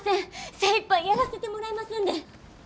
精いっぱいやらせてもらいますんで。